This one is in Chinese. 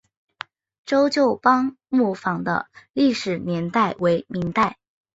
周旧邦木坊的历史年代为明代。